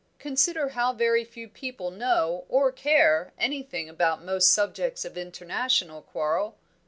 Consider how very few people know or care anything about most subjects of international quarrel.